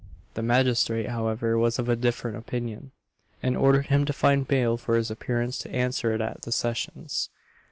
The magistrate, however, was of a different opinion, and ordered him to find bail for his appearance to answer it at the sessions.